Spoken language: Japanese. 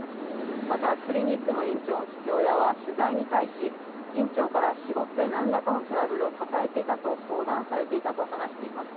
またクリニックの院長の父親は取材に対し、院長から仕事で何らかのトラブルを抱えていたと相談されていたと話しています。